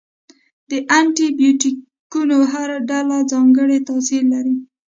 د انټي بیوټیکونو هره ډله ځانګړی تاثیر لري.